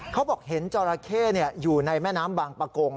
เขาบอกเห็นจราเข้อยู่ในแม่น้ำบางประกง